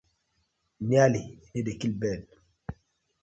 Nearly no dey kill bird: